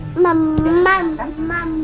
selamat pagi semuanya